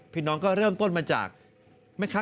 พี่น้องก็เริ่มต้นมาจากแม่ค้า